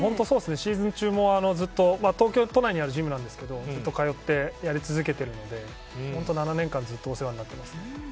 シーズン中もずっと東京都内にあるジムなんですけどずっと通ってやり続けているので７年間ずっとお世話になっています。